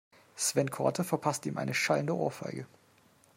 Sven Korte verpasste ihm eine schallende Ohrfeige.